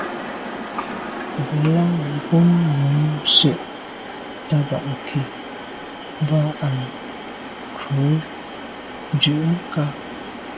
Ŋgə̀lâŋ brʉ́n nǔm sə̂' taba'ké mbá à nkrə̌ ndʉ́ kǎ.